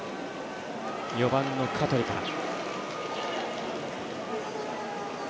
４番の香取から。